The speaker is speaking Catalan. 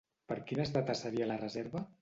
Per quines dates seria la reserva?